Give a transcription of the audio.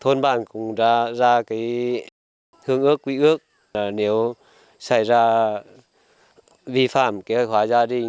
thôn bản cũng ra cái hước ước quý ước là nếu xảy ra vi phản kế hoạch hóa gia đình